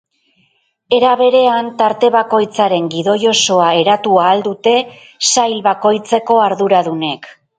Era berean, tarte bakoitzaren gidoi osoa eratu ahal dute sail bakoitzeko arduradunek.